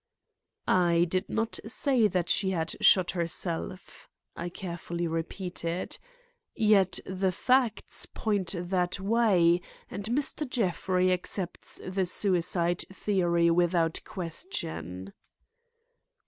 "I did not say that she had shot herself," I carefully repeated. "Yet the facts point that way and Mr. Jeffrey accepts the suicide theory without question."